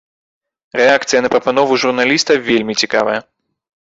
Рэакцыя на прапанову журналіста вельмі цікавая.